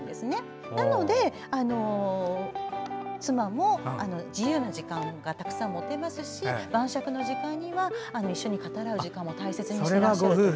なので妻も自由な時間がたくさん持てますし晩酌の時間には一緒に語らう時間を大切にしてらっしゃる。